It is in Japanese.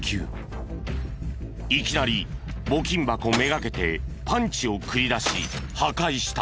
いきなり募金箱目がけてパンチを繰り出し破壊した。